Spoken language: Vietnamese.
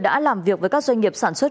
đã làm việc với các doanh nghiệp sản xuất